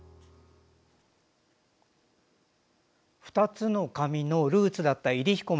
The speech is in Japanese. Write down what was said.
２つの紙のルーツだった入飛駒。